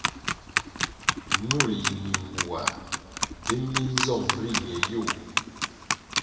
Ñul yi mimbuwah bvimli nzong ri ñe yôh.